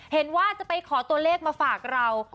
เห็นว่าจะไปขอตัวเลขมาฝากเรา